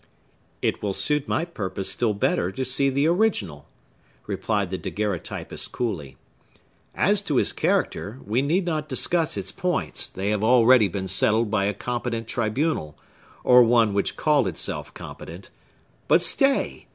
"It will suit my purpose still better to see the original," replied the daguerreotypist coolly. "As to his character, we need not discuss its points; they have already been settled by a competent tribunal, or one which called itself competent. But, stay!